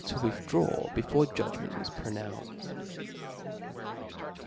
to withdraw ^forejudgmeiiir was pronounced.